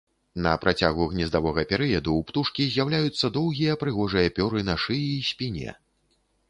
На працягу гнездавога перыяду ў птушкі з'яўляюцца доўгія прыгожыя пёры на шыі і спіне.